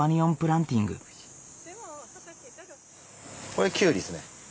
これキュウリですね。